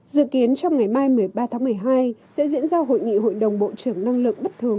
dự kiến trong ngày mai một mươi ba tháng một mươi hai sẽ diễn ra hội nghị hội đồng bộ trưởng năng lượng bất thường